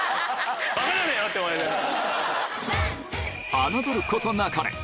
侮ることなかれ！